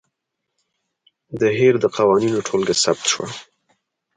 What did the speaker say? د هیر د قوانینو ټولګه ثبت شوه.